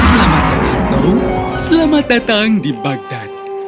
selamat datang selamat datang di bagdad